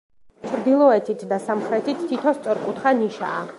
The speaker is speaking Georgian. ჩრდილოეთით და სამხრეთით თითო სწორკუთხა ნიშაა.